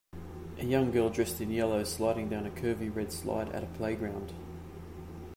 A young girl dressed in yellow sliding down a curvy, red slide at a playground.